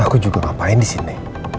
aku juga ngapain disini